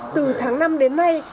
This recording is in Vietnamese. từ tháng năm đến nay